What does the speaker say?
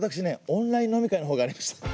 オンライン飲み会のほうがありました。